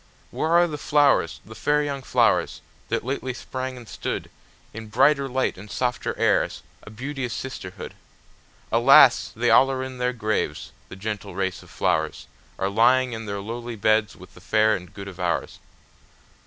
Where are the flowers, the fair young flowers, that lately sprang and stoodIn brighter light and softer airs, a beauteous sisterhood? Alas! they all are in their graves, the gentle race of flowersAre lying in their lowly beds with the fair and good of ours.